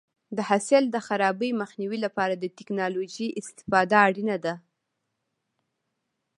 د حاصل د خرابي مخنیوي لپاره د ټکنالوژۍ استفاده اړینه ده.